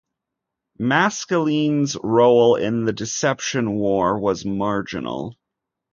Maskelyne's role in the deception war was marginal.